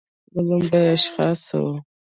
له لومړیو اشخاصو و